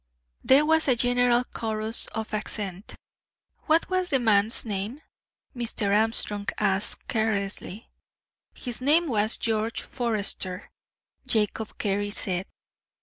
There was a general chorus of assent. "What was the man's name?" Mr. Armstrong asked, carelessly. "His name was George Forester," Jacob Carey said.